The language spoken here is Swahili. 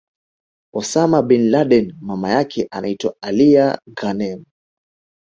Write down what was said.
Osama bin Laden Mama yake anaitwa Alia Ghanem